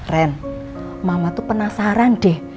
ren mama tuh penasaran deh